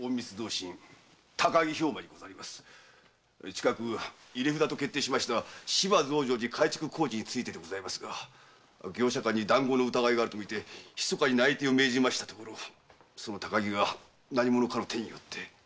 近く入れ札と決定しました芝増上寺改築工事について業者間に談合の疑いがあるとみて密かに内偵を命じたところその高木が何者かの手によって。